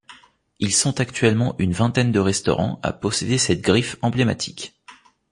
Ils sont actuellement une vingtaine de restaurants à posséder cette griffe emblématique.